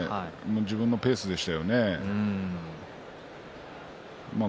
自分のペースでしたよね。